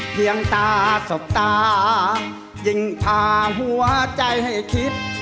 ตาสบตายิ่งพาหัวใจให้คิด